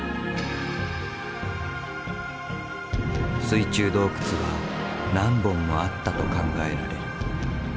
水中洞窟は何本もあったと考えられる。